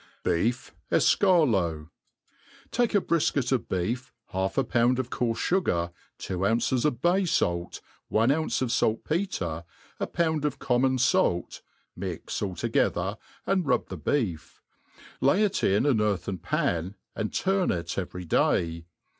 Beef Efiarlot. TTAKE a brifcuit of beef, half a pound of coarle fugar, two punces of bay faU, one ounce of faltpetre, a pound pf coenmon' fait ; mix all together, and rub the beef ; lay it in an earthen pan^ and turn it every day.